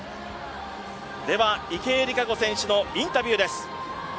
では、池江璃花子のインタビューです。